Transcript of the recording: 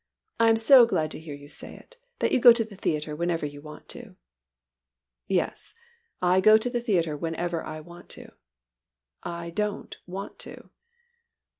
I am so glad to hear you say it, that you go to the theatre whenever you want to." "Yes, I go to the theatre whenever I want to. I don't want to."